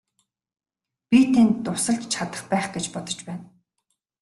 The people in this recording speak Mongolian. Би танд тусалж чадах байх гэж бодож байна.